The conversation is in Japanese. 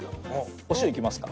お塩いきますか。